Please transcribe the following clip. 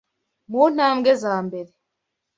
mu ntambwe za mbere